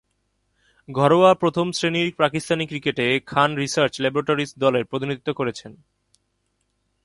ঘরোয়া প্রথম-শ্রেণীর পাকিস্তানি ক্রিকেটে খান রিসার্চ ল্যাবরেটরিজ দলের প্রতিনিধিত্ব করছেন।